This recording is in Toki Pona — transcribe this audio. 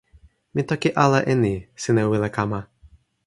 mi toki ala e ni: sina wile kama.